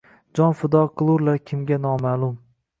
Jon fido qilurlar kimga, noma’lum?!